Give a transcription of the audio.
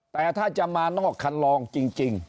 แต่ถ้าจะมานอกคันลองจริง